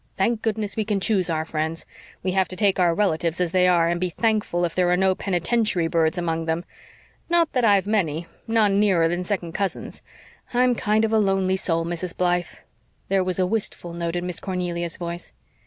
Thank goodness, we can choose our friends. We have to take our relatives as they are, and be thankful if there are no penitentiary birds among them. Not that I've many none nearer than second cousins. I'm a kind of lonely soul, Mrs. Blythe." There was a wistful note in Miss Cornelia's voice.